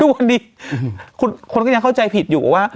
พอดีคนก็ยังเข้าใจผิดอยู่ว่า